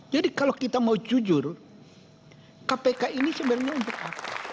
jadi kalau kita mau jujur kpk ini sebenarnya untuk apa